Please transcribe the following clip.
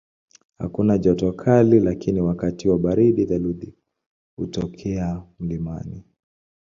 Hakuna joto kali lakini wakati wa baridi theluji hutokea mlimani.